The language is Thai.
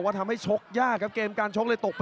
เอาละครับเวลาใช้ล็อกไนท์ได้